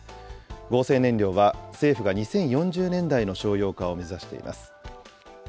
合成燃料は政府が２０４０年代の商用化を目指しています。